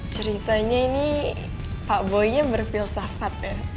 ceritanya ini pak boynya berfilsafat ya